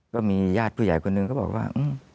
ก็มีญาติผู้ใหญ่คนหนึ่งเขาบอกว่า